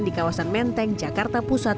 di kawasan menteng jakarta pusat